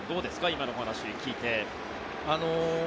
今の話を聞いて。